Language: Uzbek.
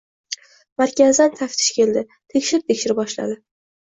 Markazdan taftish keldi. Tekshir-tekshir boshladi.